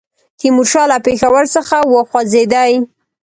تیمورشاه له پېښور څخه وخوځېدی.